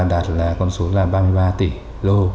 chúng ta đạt là con số là ba mươi ba tỷ lô